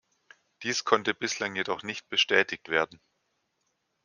Dies konnte bislang jedoch nicht bestätigt werden.